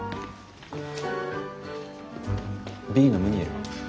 Ｂのムニエル。